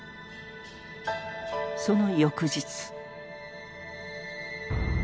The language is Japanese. その翌日。